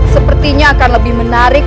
sepertinya akan lebih menarik